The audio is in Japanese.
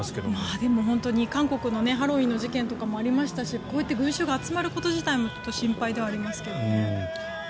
でも韓国のハロウィーンの事件とかもありましたしこういった群衆が集まること自体も心配ではありますけど。